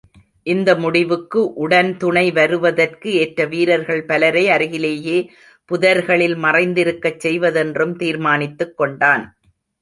இந்த முடிவுக்கு உடன்துணை வருவதற்கு ஏற்ற வீரர்கள் பலரை அருகிலேயே புதர்களில் மறைந்திருக்கச் செய்வதென்றும் தீர்மானித்துக் கொண்டான்.